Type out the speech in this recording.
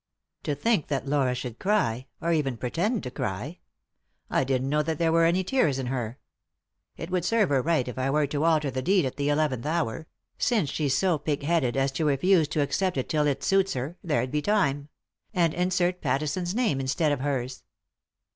" To think that Laura should cry 1 — or even pretend to cry I I didn't know that there were any tears in ner. It would serve her right if I were to alter the deed at the eleventh hour — since she's so pigheaded as to refuse to accept it till it suits her, there' d be time I— and insert Pattison's name instead of hers.